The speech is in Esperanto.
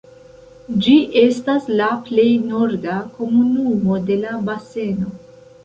Ĝi estas la plej norda komunumo de la baseno.